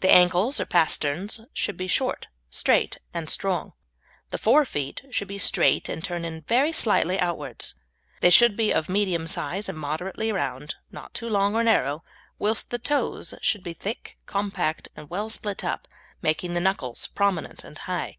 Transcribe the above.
The ankles or pasterns should be short, straight, and strong. The fore feet should be straight and turn very slightly outwards; they should be of medium size and moderately round, not too long or narrow, whilst the toes should be thick, compact, and well split up, making the knuckles prominent and high.